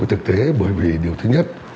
với thực tế bởi vì điều thứ nhất